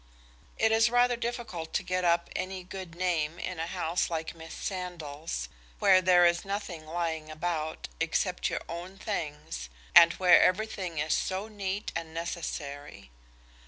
It is rather difficult to get up any good game in a house like Miss Sandal's, where there is nothing lying about, except your own things, and where everything is so neat and necessary.